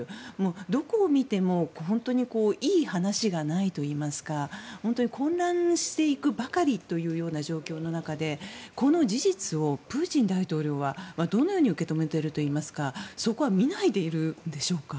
どこを見てもいい話がないといいますか本当に混乱していくばかりという状況の中でこの事実をプーチン大統領はどのように受け止めているといいますかそこは見ないでいるんでしょうか。